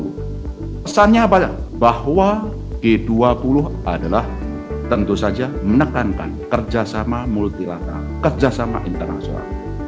kesannya apa bahwa g dua puluh adalah tentu saja menekankan kerjasama multilatera kerjasama internasional